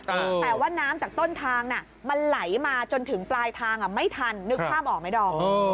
แต่ว่าน้ำจากต้นทางน่ะมันไหลมาจนถึงปลายทางอ่ะไม่ทันนึกภาพออกไหมดอม